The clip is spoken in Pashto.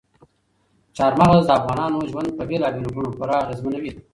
چار مغز د افغانانو ژوند په بېلابېلو بڼو پوره اغېزمنوي.